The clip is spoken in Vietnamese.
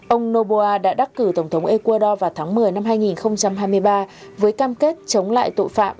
ông noboa đã đắc cử tổng thống ecuador vào tháng một mươi năm hai nghìn hai mươi ba với cam kết chống lại tội phạm